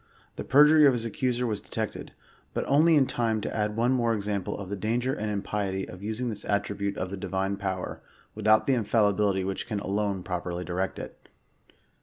The perjury of his accuser was detected, but only in time " to add 113 one more example of the danger and impiety of using this at* tribute of the divine povv^er, without the infallibility which can alone properly direct it."